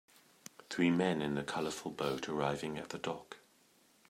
Three men in a colorful boat arriving at the dock.